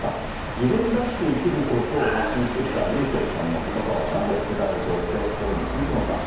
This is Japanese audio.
自分らしく生きることを発信してきたｒｙｕｃｈｅｌｌさんの言葉はなぜ世代を超えて心に響くのか。